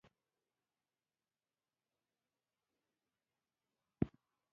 څمکنیو ولسوالۍ کې جلکې ښوونځی ته ځي.